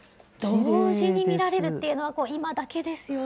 同時に見られるのは今だけですよね。